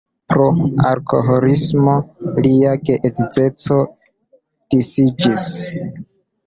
Pro alkoholismo lia geedzeco disiĝis.